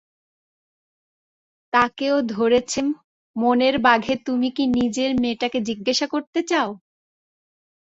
তাকেও ধরেছে মনের বাঘে তুমি কি নিজে মেয়েটাকে জিজ্ঞেস করতে চাও?